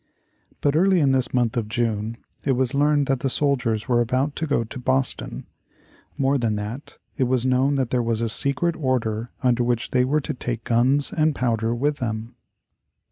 But early in this month of June it was learned that the soldiers were about to go to Boston. More than that, it was known that there was a secret order under which they were to take guns and powder with them.